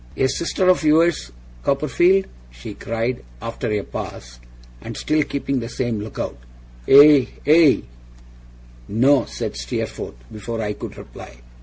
'A sister of yours, Mr. Copperfield?' she cried, after a pause, and still keeping the same look out. 'Aye, aye?' 'No,' said Steerforth, before I could reply.